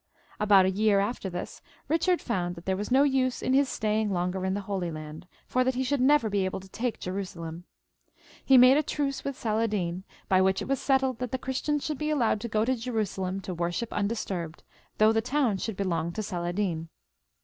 About a year after this, Eichard found that there was no use in his staying longer in the Holy Land, for that he should never be able to take Jerusalem. He made a truce with Saladin, by which it was settled that the Christians shoidd be allowed to go to Jerusalem to worship undis 96 PHILIP IL {AUG US TE), [CH. turbed, though the town should belong to Saladin.